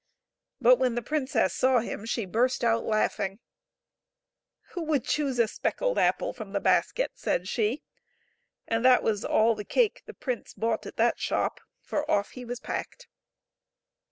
But when the princess saw him she burst out laughing ;" Who would choose a specked apple from the basket ?" said she ; and that was all the cake the prince bought at that shop, for off he was packed.